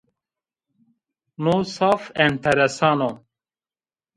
No zaf enteresan o